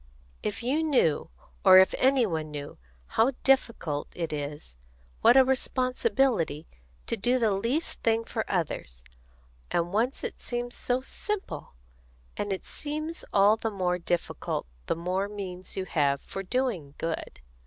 "If you knew, or if any one knew, how difficult it is, what a responsibility, to do the least thing for others! And once it seemed so simple! And it seems all the more difficult, the more means you have for doing good.